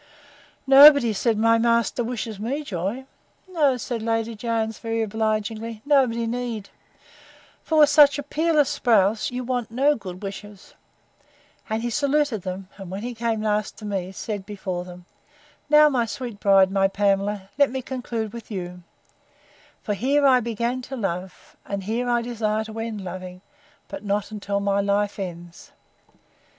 Nobody, said my master, wishes me joy. No, said Lady Jones, very obligingly, nobody need; for, with such a peerless spouse, you want no good wishes:—And he saluted them; and when he came last to me, said, before them all, Now, my sweet bride, my Pamela, let me conclude with you; for here I began to love, and here I desire to end loving, but not till my life ends.